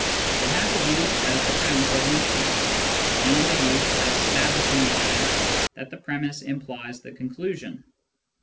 It has a use as the premiss of an inference, and a use as establishing the fact that the pre miss implies the conclusion.